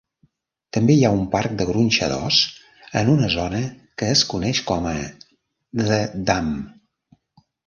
També hi ha un parc de gronxadors en una zona que es coneix com a The Dam.